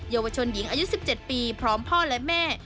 เยาวชนหญิงอายุ๑๗ปีพร้อมพ่อและแม่